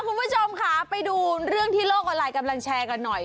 คุณผู้ชมค่ะไปดูเรื่องที่โลกออนไลน์กำลังแชร์กันหน่อย